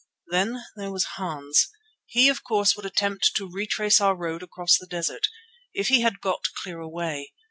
Then there was Hans. He of course would attempt to retrace our road across the desert, if he had got clear away.